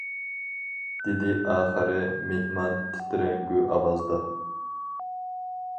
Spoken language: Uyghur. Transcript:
— دېدى ئاخىرى مېھمان تىترەڭگۈ ئاۋازدا.